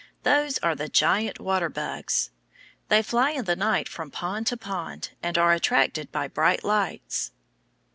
Those are the giant water bugs. They fly in the night from pond to pond, and are attracted by bright lights.